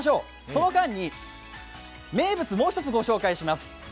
その間に名物をもう一つご紹介します。